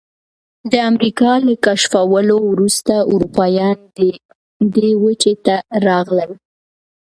د امریکا له کشفولو وروسته اروپایان دې وچې ته راغلل.